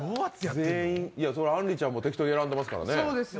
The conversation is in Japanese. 全員、そりゃ、あんりちゃんも適当に選んでますからね。